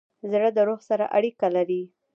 زړه د روح سره اړیکه لري.